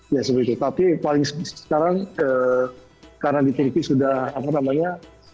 ya seperti itu tapi paling sekarang karena di turki sudah apa namanya